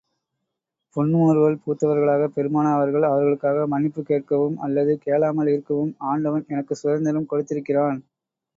புன்முறுவல் பூத்தவர்களாகப் பெருமானார் அவர்கள் அவர்களுக்காக மன்னிப்புக் கேட்கவும் அல்லது கேளாமல் இருக்கவும் ஆண்டவன் எனக்குச் சுதந்திரம் கொடுத்திருக்கிறான்.